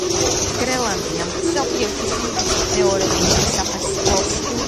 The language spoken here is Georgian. გრენლანდია მსოფლიოში სიდიდით მეორე ყინულის საფარს ფლობს.